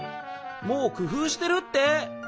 もうくふうしてるって。